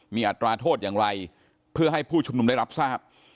มีอัตราโทษอย่างไรเพื่อให้ผู้ชุมนุมได้รับทราบ